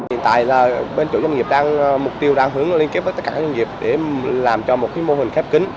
hiện tại là bên chủ doanh nghiệp đang mục tiêu đang hướng liên kết với tất cả các doanh nghiệp để làm cho một mô hình khép kính